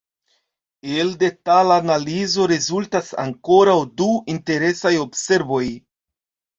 El detala analizo rezultas ankoraŭ du interesaj observoj.